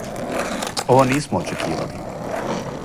Ово нисмо очекивали.